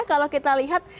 kalau kita lihat